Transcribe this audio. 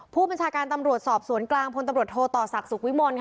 ผู้บัญชาการตำรวจสอบสวนกลางพลตำรวจโทต่อศักดิ์สุขวิมล